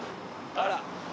あら。